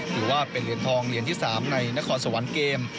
ถือว่าเป็นเหรียญทองเหรียญที่๓ในนครสวรรค์เกม